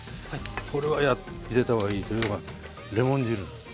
これは入れた方がいいというのがレモン汁。